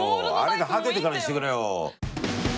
はけてからにしてくれよ。